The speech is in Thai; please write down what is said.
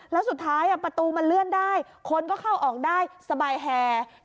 แล้วสุดท้ายประตูมันเลื่อนได้คนก็เข้าออกได้สบายแห่